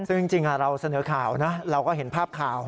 ซึ่งจริงเราเสนอข่าวนะเราก็เห็นภาพข่าว